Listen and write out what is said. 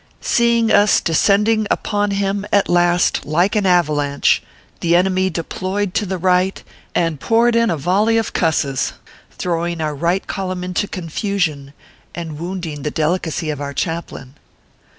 Seeing us descending upon him, at last, like an ava lanche, the enemy deployed to the right, and poured ORPHEUS C. KERR PAPERS. 53 in a volley of "cusses/ throwing our right column into confusion, and wounding the delicacy of our chaplain.